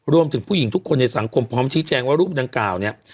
ผู้หญิงทุกคนในสังคมพร้อมชี้แจงว่ารูปดังกล่าวเนี่ย